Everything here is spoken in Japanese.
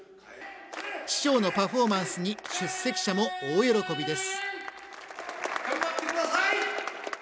市長のパフォーマンスに出席者も大喜びです。